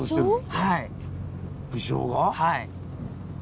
はい。